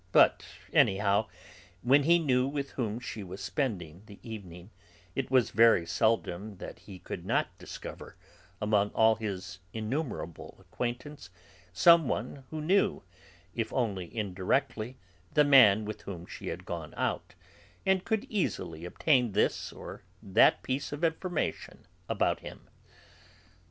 But anyhow, when he knew with whom she was spending the evening, it was very seldom that he could not discover, among all his innumerable acquaintance, some one who knew if only indirectly the man with whom she had gone out, and could easily obtain this or that piece of information about him.